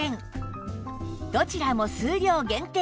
どちらも数量限定！